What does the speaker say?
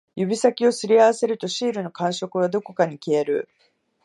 指先を擦り合わせると、シールの感触はどこかに消える